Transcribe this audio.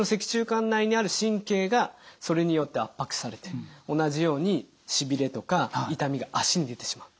管内にある神経がそれによって圧迫されて同じようにしびれとか痛みが脚に出てしまう。